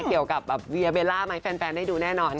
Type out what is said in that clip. เกี่ยวกับเบลล่าใหม่แฟนได้ดูแน่นอนค่ะ